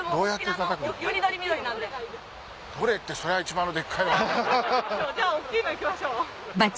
じゃあ大っきいの行きましょう。